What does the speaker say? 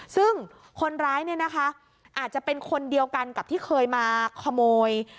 ซึ่งคนร้ายเนี่ยนะคะอาจจะเป็นคนเดียวกันกับที่เคยมาขโมย